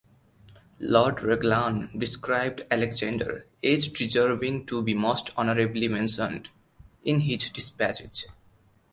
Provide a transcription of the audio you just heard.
Lord Raglan described Alexander "as deserving to be most honourably mentioned" in his despatches.